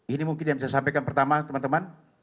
ini mungkin yang saya sampaikan pertama teman teman